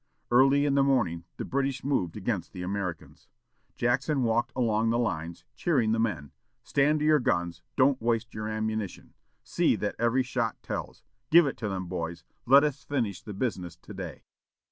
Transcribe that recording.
Early in the morning, the British moved against the Americans. Jackson walked along the lines, cheering the men, "Stand to your guns. Don't waste your ammunition. See that every shot tells. Give it to them, boys! Let us finish the business to day."